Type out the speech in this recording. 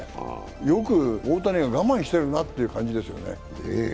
よく大谷が我慢してるなって感じですよね。